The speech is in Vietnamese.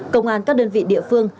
công an các đơn vị địa phương